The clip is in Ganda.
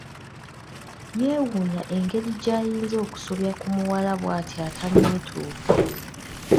Yeewuunya engeri gy'ayinza okusobya ku muwala bw'atyo atanneetuuka.